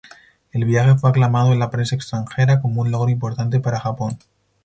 El viaje fue aclamado en la prensa extranjera como un logro importante para Japón.